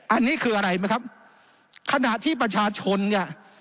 อันนี้คืออะไรไหมครับขณะที่ประชาชนเนี่ย